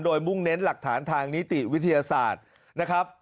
โดยมุ่งเน้นหลักฐานทางนิติวิทยาศาสตร์นะครับ